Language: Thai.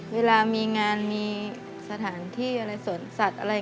เวลามีงานมีสถานที่อะไรสวนสัตว์อะไร